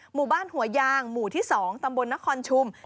หมู่บ้านหัวยางหมู่ที่๒ตำบลนครชุม